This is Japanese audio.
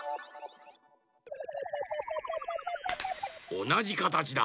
おなじかたちだ。